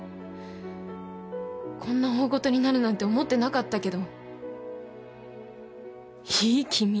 こんな大ごとになるなんて思ってなかったけどいい気味。